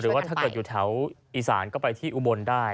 ว่าถ้าเกิดอยู่แถวอีสานก็ไปที่อุบลได้